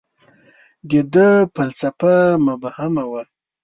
• د ده فلسفه مبهمه وه.